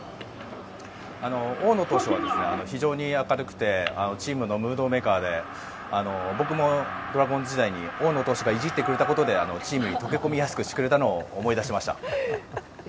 大野投手は非常に明るくてチームのムードメーカーで僕もドラゴンズ時代に大野投手がいじってくれたことでチームに溶け込みやすくしてくれたのを思い出しました。